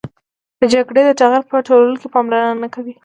د جګړې د ټغر په ټولولو کې پاملرنه نه کوي.